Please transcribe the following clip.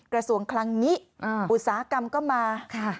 กระทรวงคลังนี้อุตสาหกรรมก็มา